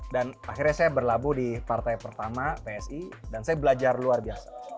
dan akhirnya saya berlabuh di partai pertama psi dan saya belajar luar biasa